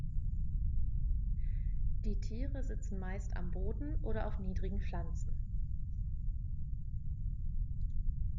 Die Tiere sitzen meist am Boden oder auf niedrigen Pflanzen.